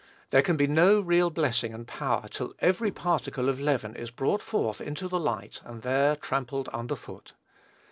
There can be no real blessing and power till every particle of leaven is brought forth into the light and there trampled under foot.